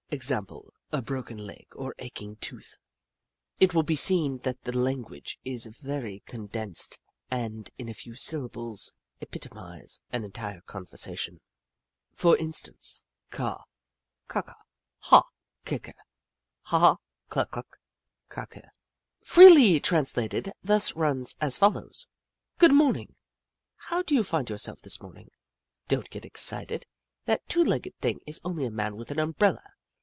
Example, a broken leg or aching tooth. It will be seen that the language is very condensed and in a few syllables may epitomise an entire conversation. For instance :^^ Caw. Caw Caw. Haw. Ker Ker. Haw Haw. Cluck Cluck. Caw Ker." Freely trans lated, this runs as follows :" Gdod morning ! How do you find yourself this morning? Don't get excited, that two legged thing is only a Man with an umbrella.